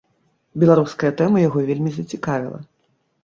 Беларуская тэма яго вельмі зацікавіла.